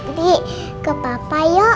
om rendy ke papa yuk